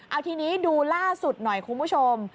เอาทีนี้ดูล่าสุดหน่อยคุณผู้ชม